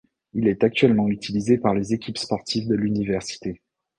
Il est actuellement utilisé par les équipes sportives de l'université.